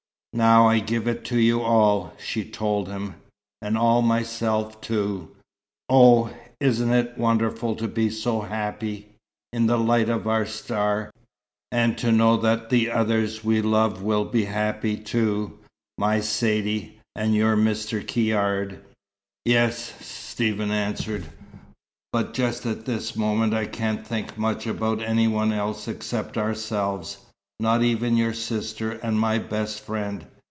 "Now I give it to you all," she told him. "And all myself, too. Oh, isn't it wonderful to be so happy in the light of our star and to know that the others we love will be happy, too my Saidee, and your Mr. Caird " "Yes," Stephen answered. "But just at this moment I can't think much about any one except ourselves, not even your sister and my best friend.